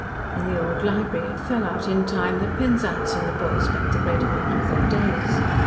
In the old library it fell out in time that Penzance and the boy spent the greater part of their days.